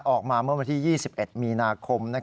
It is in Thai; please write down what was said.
ออกมาเมื่อวันที่๒๑มีนาคม